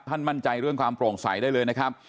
มั่นใจเรื่องความโปร่งใสได้เลยนะครับ